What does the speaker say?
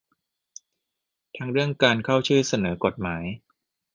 ทั้งเรื่องการเข้าชื่อเสนอกฎหมาย